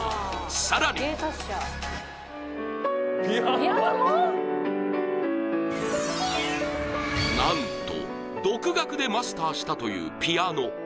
更になんと、独学でマスターしたというピアノ。